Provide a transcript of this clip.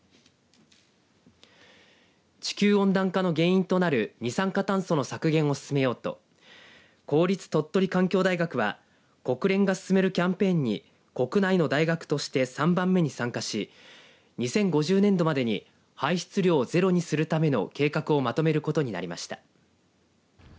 地球温暖化の原因となる二酸化炭素の削減を進めようと公立鳥取環境大学は国連が進めるキャンペーンに国内の大学として３番目に参加し２０５０年度までに排出量をゼロにするための計画をまとめることになりました。